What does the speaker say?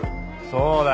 そうだよ。